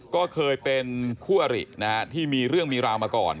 ก็เคยเป็นคู่อรินะฮะที่มีเรื่องมีราวมาก่อน